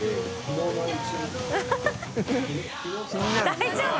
大丈夫？